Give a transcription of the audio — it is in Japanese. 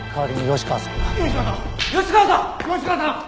吉川さん！